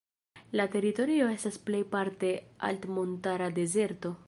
La teritorio estas plejparte altmontara dezerto.